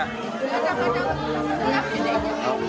harganya berapa mbak